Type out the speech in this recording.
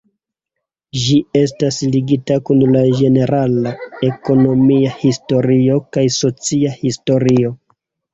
Ĝi estas ligita kun la ĝenerala ekonomia historio kaj socia historio.